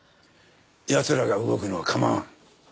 奴らが動くのは構わん。